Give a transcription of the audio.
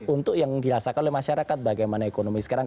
untuk yang dirasakan oleh masyarakat bagaimana ekonomi sekarang